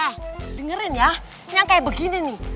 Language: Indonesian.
ah dengerin ya yang kaya begini nih